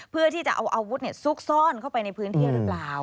เพื่อที่จะเอาอาวุธซุกซ่อนเข้าไปในพื้นที่หรือเปล่า